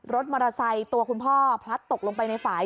รถมอเตอร์ไซค์ตัวคุณพ่อพลัดตกลงไปในฝ่าย